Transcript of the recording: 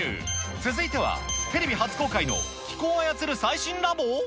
続いては、テレビ初公開の気候を操る最新ラボ？